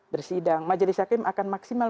bersidang majelis hakim akan maksimal